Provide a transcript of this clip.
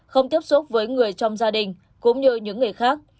không tiếp xúc với người trong gia đình cũng như những người khác